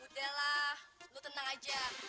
udahlah lu tenang aja